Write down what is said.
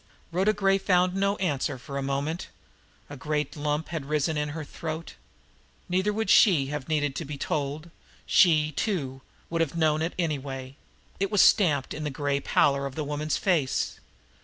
Rhoda Gray found no answer for a moment. A great lump had risen in her throat. Neither would she have needed to be told; she, too, would have known it anyway it was stamped in the gray pallor of the woman's face.